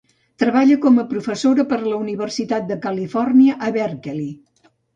Treballa com a professora per a la Universitat de Califòrnia a Berkeley.